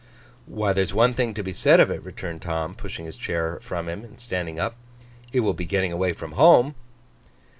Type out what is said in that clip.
'Why, there's one thing to be said of it,' returned Tom, pushing his chair from him, and standing up; 'it will be getting away from home.